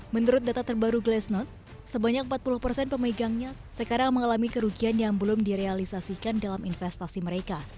menurut data terbaru glast sebanyak empat puluh persen pemegangnya sekarang mengalami kerugian yang belum direalisasikan dalam investasi mereka